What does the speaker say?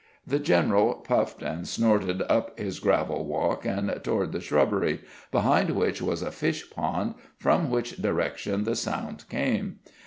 The general puffed and snorted up his gravel walk and toward the shrubbery, behind which was a fish pond, from which direction the sound came.